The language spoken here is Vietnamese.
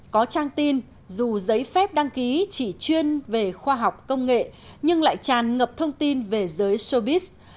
có trang tin dù giấy phép đăng ký chỉ chuyên về khoa học công nghệ nhưng lại tràn ngập thông tin về giới sobis